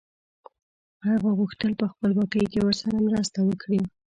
هغه غوښتل په خپلواکۍ کې ورسره مرسته وکړي.